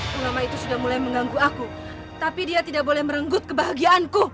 selama itu sudah mulai mengganggu aku tapi dia tidak boleh merenggut kebahagiaanku